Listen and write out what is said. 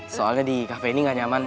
soalnya di kafe ini gak nyaman